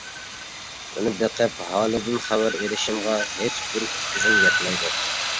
ئۇنى بېقىپ ھالىدىن خەۋەر ئېلىشىمغا ھېچ بىر كۆزۈم يەتمەيدۇ.